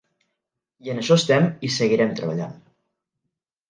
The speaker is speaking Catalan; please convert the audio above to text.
I en això estem i hi seguirem treballant.